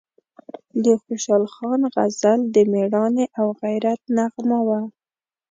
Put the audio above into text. د خوشحال خان غزل د میړانې او غیرت نغمه وه،